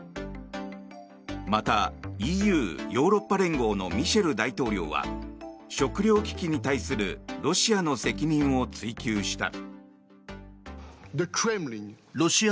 またＥＵ・ヨーロッパ連合のミシェル大統領は食糧危機に対するロシアの責任を追及した。